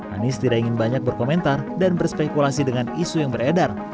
anies tidak ingin banyak berkomentar dan berspekulasi dengan isu yang beredar